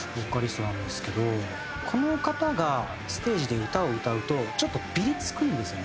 この方がステージで歌を歌うとちょっとビリつくんですよね。